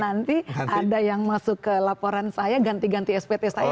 nanti ada yang masuk ke laporan saya ganti ganti spt saya